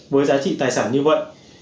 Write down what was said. với giá trị tài sản như vậy